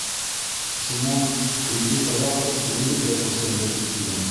Шунан өйҙө таҙартып үҙебеҙгә күсербеҙ, — тине.